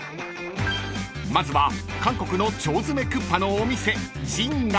［まずは韓国の腸詰めクッパのお店］